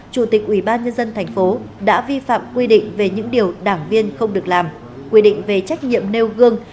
chủ tịch ubnd tp hcm đã vi phạm quy định về những điều đảng viên không được làm quy định về trách nhiệm nêu gương